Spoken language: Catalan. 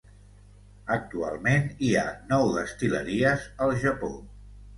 Actualment hi ha nou destil·leries al Japó.